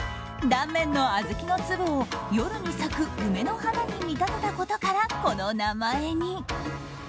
断面の小豆の粒を夜に咲く梅の花に見立てたことから、この名前に。